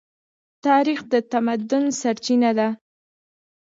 تاریخ د تمدن سرچینه ده.